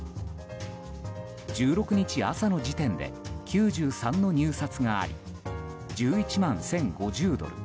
１６日朝の時点で９３の入札があり１１万１０５０ドル